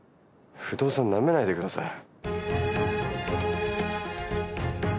不動産なめないで下さい。